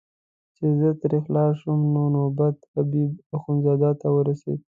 چې زه ترې خلاص شوم نو نوبت حبیب اخندزاده ته ورسېد.